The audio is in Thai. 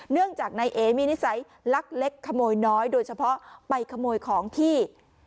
เนื่องจากนายเอมีนิสัยลักเล็กขโมยน้อยโดยเฉพาะไปขโมยของที่